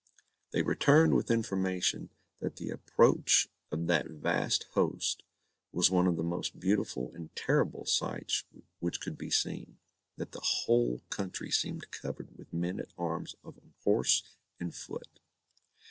They returned with information, that the approach of that vast host was one of the most beautiful and terrible sights which could be seen that the whole country seemed covered with men at arms on horse and foot.